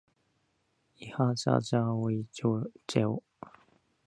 いはじゃじゃおいじぇお。